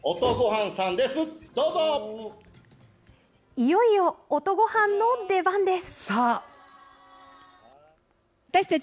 いよいよ音ごはんの出番です。